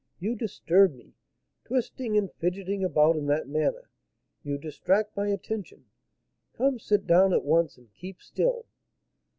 You disturb me, twisting and fidgeting about in that manner, you distract my attention. Come, sit down at once, and keep still."